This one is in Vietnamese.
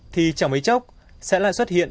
thì trong mấy chốc sẽ lại xuất hiện